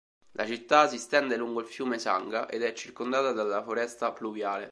La città si stende lungo il fiume Sangha ed è circondata dalla foresta pluviale.